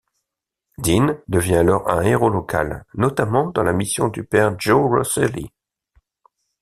Dean devient alors un héros local, notamment dans la mission du Père Joe Roselli.